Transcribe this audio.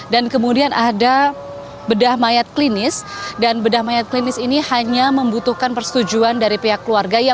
dan kemudian ada bedah mayat klinis dan bedah mayat klinis ini hanya membutuhkan persetujuan dari pihak keluarga